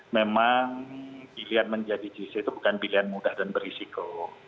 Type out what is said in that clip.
memang dilihat menjadi gc itu bukan pilihan mudah dan berisiko